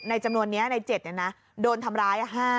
ในจำนวนนี้ใน๗เนี่ยนะโดนทำร้าย๕